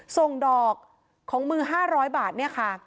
ส่งดอกของมือ๕๐๐บาทเนี่ยค่ะ